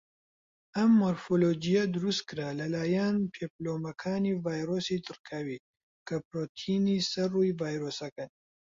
ئەم مۆرفۆلۆجیە دروستکرا لەلایەن پێپلۆمەکانی ڤایرۆسی دڕکاوی، کە پڕۆتینی سەر ڕووی ڤایرۆسەکەن.